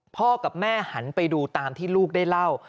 พ่อกับแม่หันไปดูตามที่ลูกได้เล่า